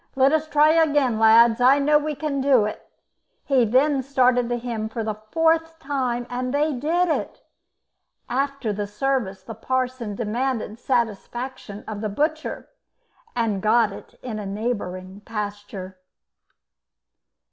Let us try again, lads; I know we can do it." He then started the hymn for the fourth time, and they did it. After the service the parson demanded satisfaction of the butcher, and got it in a neighbouring pasture.